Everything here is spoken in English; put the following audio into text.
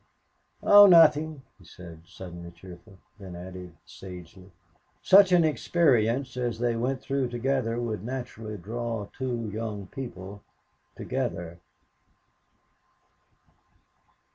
"Oh, nothing," he said, suddenly cheerful, then added, sagely, "Such an experience as they went through together would naturally draw two young people together."